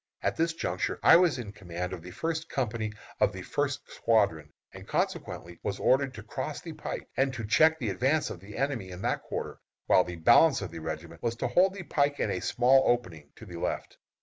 At this juncture I was in command of the first company of the first squadron, and consequently was ordered to cross the pike, and to check the advance of the enemy in that quarter, while the balance of the regiment was to hold the pike and a small opening to the left.